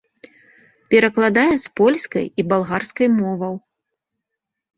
Перакладае з польскай і балгарскай моваў.